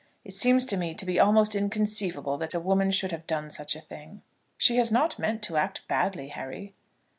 It seems to me to be almost inconceivable that a woman should have done such a thing." "She has not meant to act badly, Harry."